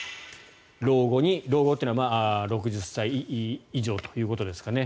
老後に老後というのは６０歳以上ということですかね